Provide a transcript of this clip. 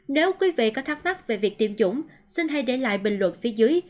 nếu quý vị có thắc mắc về việc tiêm dũng xin hãy để lại bình luận phía dưới